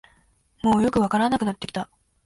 もうよくわからなくなってきた